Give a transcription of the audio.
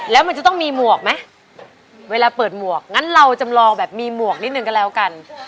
แล้วมันจะต้องมีหมวกไหมเวลาเปิดหมวกงั้นเราจำลองแบบมีหมวกนิดนึงก็แล้วกัน